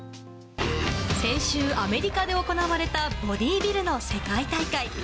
先週、アメリカで行われたボディービルの世界大会。